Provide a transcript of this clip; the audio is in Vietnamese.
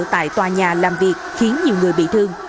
tại tòa nhà làm việc khiến nhiều người bị thương